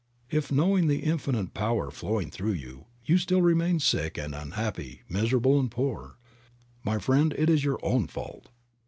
If, knowing the infinite power flowing through you, you still remain sick and unhappy, miserable and poor, my friend, it is your own fault.